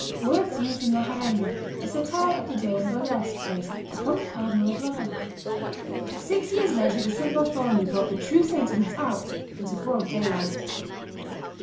[Words used in La Harenga, a satire of the day in burlesque verse upon the Cardinal of Lorraine.] Six years later the St. Bartholomew brought the true sentiments out into broad daylight.